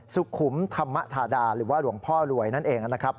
สุขุมธรรมธาดาหรือว่าหลวงพ่อรวยนั่นเองนะครับ